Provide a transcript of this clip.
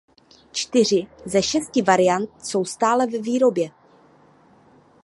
Čtyři ze šesti variant jsou stále ve výrobě.